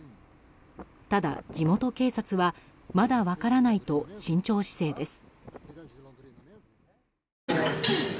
ただ、地元警察はまだ分からないと慎重姿勢です。